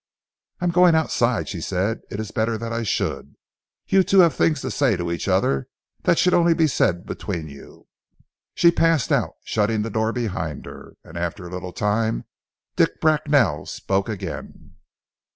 "I am going outside," she said. "It is better that I should. You two have things to say to each other that should only be said between you." She passed out, shutting the door behind her, and after a little time, Dick Bracknell spoke again.